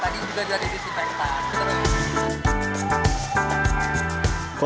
lagi juga ada disinfektan